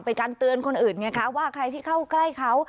เป็นการเตือนคนอื่นไงคะว่าใครที่เข้าใกล้เขา